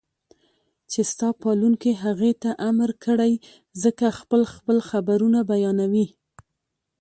چې ستا پالونکي هغې ته امر کړی زکه خپل خپل خبرونه بيانوي